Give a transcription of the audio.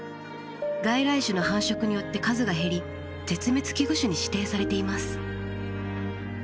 外来種の繁殖によって数が減り絶滅危惧種に指定されています。